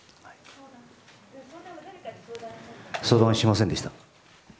誰にもしませんでした。